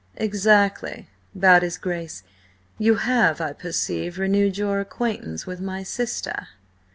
"Exactly," bowed his Grace. "You have, I perceive, renewed your acquaintance with my sister."